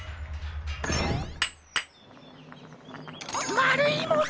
まるいもの！